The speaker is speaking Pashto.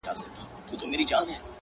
خو وخته لا مړ سوى دی ژوندى نـه دی.